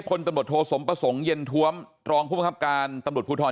คนตำรวจโทสมประสงค์เย็นท้วมรองผู้บังคับการตำรวจภูทร